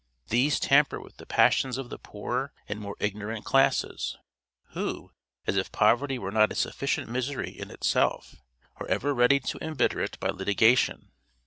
These tamper with the passions of the poorer and more ignorant classes; who, as if poverty were not a sufficient misery in itself, are ever ready to embitter it by litigation.